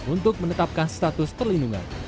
untuk menetapkan status perlindungan